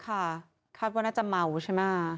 ค่ะครับก็น่าจะเมาใช่ไหม